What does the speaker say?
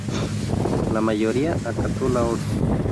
La mayoría acató la orden.